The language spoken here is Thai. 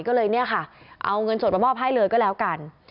ก็เลยเอาเงินจดประมอบให้เลยก็แล้วกัน